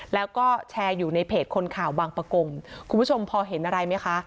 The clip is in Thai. แล้วก็แชร์อยู่ในเพจคนข่าวบางประกงคุณผู้ชมพอเห็นอะไรไหมคะ